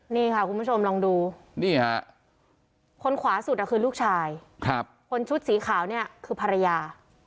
นี่ค่ะคุณผู้ชมลองดูนี่ฮะคนขวาสุดคือลูกชายคนชุดสีขาวเนี่ยคือภรรยา